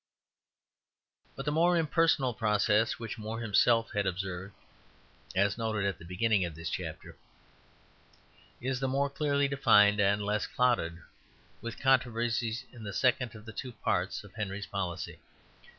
But the more impersonal process which More himself had observed (as noted at the beginning of this chapter) is more clearly defined, and less clouded with controversies, in the second of the two parts of Henry's policy.